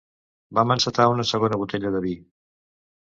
Vam encetar una segona botella de vi.